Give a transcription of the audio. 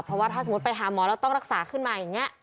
เพราะว่าถ้าสมมุติไปหาหมอแล้วต้องรักษาขึ้นมาอย่างนี้